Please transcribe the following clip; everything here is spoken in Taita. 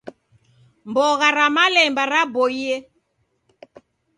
Mbogha ra malemba raboie.